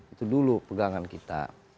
itu dulu pegangan kita